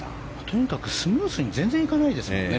とにかく全然スムーズにいかないですからね。